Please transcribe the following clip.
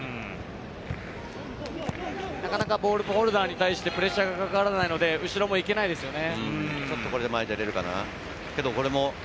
なかなかボールホルダーに対してプレッシャーがかからないので、後ろも行けないですよね。